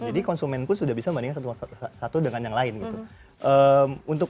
jadi konsumen pun sudah bisa membandingkan satu dengan yang lain gitu